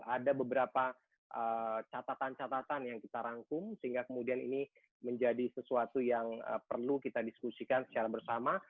ada beberapa catatan catatan yang kita rangkum sehingga kemudian ini menjadi sesuatu yang perlu kita diskusikan secara bersama